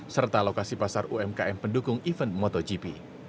serta lokasi pasar umkm pendukung event motogp